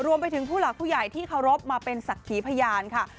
รวมไปถึงผู้หลักผู้ใหญ่ที่เคารพมาเป็นสักทีพยานค่ะ